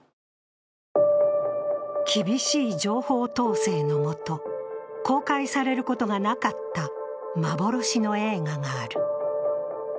厳しい情報統制の下、公開されることがなかった幻の映画がある。